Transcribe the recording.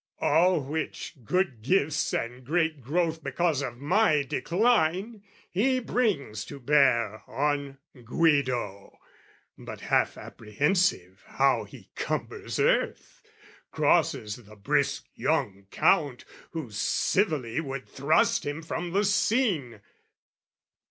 All which good gifts and great growth Because of my decline, he brings to bear On Guido, but half apprehensive how He cumbers earth, crosses the brisk young Count, Who civilly would thrust him from the scene.